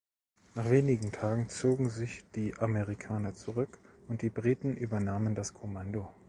Nach wenigen Tagen zogen sich die Amerikaner zurück, und die Briten übernahmen das Kommando.